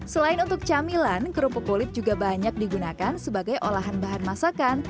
selain untuk camilan kerupuk kulit juga banyak digunakan sebagai olahan bahan masakan